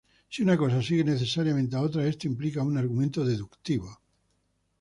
Si una cosa sigue necesariamente a otra, esto implica un argumento deductivo.